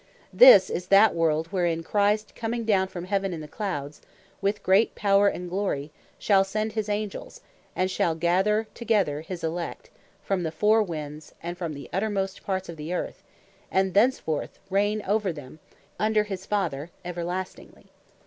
This is that WORLD, wherein Christ coming down from Heaven, in the clouds, with great power, and glory, shall send his Angels, and shall gather together his elect, from the four winds, and from the uttermost parts of the Earth, and thence forth reign over them, (under his Father) Everlastingly.